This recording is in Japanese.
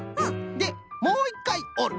でもういっかいおる。